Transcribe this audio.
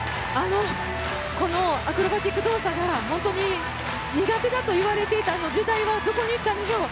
アクロバティック動作が本当に苦手だといわれていた時代はどこにいったんでしょう。